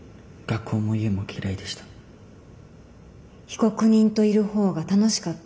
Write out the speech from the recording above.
被告人といる方が楽しかった。